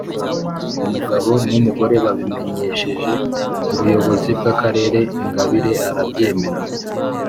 umugabo n’umugore babimenyesheje ubuyobozi bw’akarere; ingabire arabyemera.